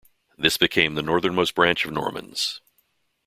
This became the northern most branch of Normans.